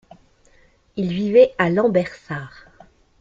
Il vivait à Lambersart.